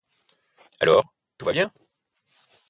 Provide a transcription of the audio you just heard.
Alors… tout va bien ?…